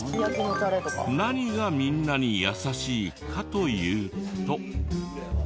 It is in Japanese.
何がみんなに優しいかというと。